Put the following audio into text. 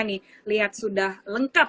nih lihat sudah lengkap